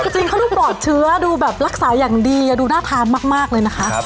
จริงเขาดูปลอดเชื้อดูแบบรักษาอย่างดีดูน่าทานมากเลยนะคะ